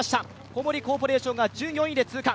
小森コーポレーションが１４位で通過。